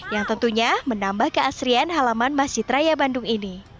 yang tentunya menambah keasrian halaman masjid raya bandung ini